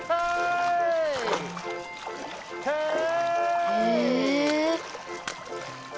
へえ。